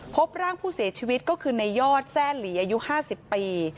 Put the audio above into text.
พบร่างผู้เสียชีวิตก็คือในยอดแซ่หลีอายุ๕๐ปี